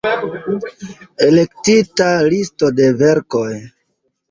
Elektita listo de verkoj.